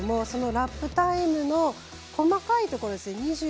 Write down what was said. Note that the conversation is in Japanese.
そのラップタイムの細かいところ。